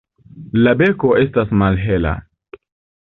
La beko estas malhela.